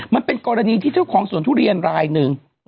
มันเป็นกรณีมีของศูนย์ทุเรียนไรค์หนึ่ง